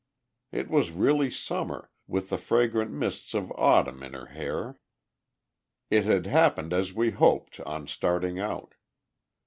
It was really Summer, with the fragrant mists of Autumn in her hair. It had happened as we had hoped on starting out.